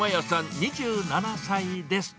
２７歳です。